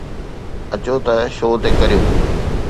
اچو ته شو تي ڪريون